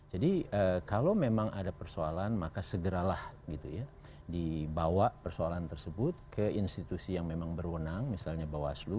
jadi kalau memang ada persoalan maka segeralah gitu ya dibawa persoalan tersebut ke institusi yang memang berwenang misalnya bawaslu ya